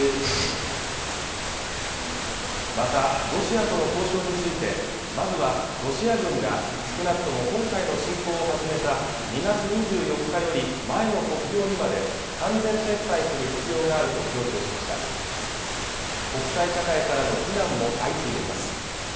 またロシアとの交渉についてまずはロシア軍が少なくとも今回の侵攻を始めた２月２４日より前の国境にまで完全撤退する必要があると強調しました国際社会からの非難も相次いでいます